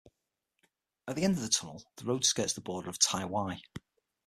At the end of the tunnel, the road skirts the border of Tai Wai.